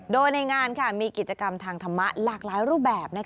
โดยในงานมีกิจกรรมทางธรรมะหลากหลายรูปแบบ